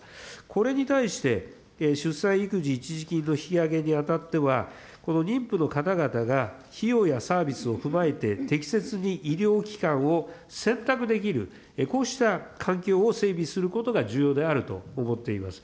これに対して、出産育児一時金の引き上げにあたっては、この妊婦の方々が費用やサービスを踏まえて適切に医療機関を選択できる、こうした環境を整備することが重要であると思っています。